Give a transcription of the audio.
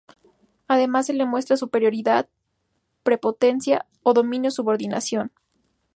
Además se le muestra superioridad, prepotencia o dominio-subordinación.